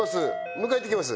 迎え行ってきます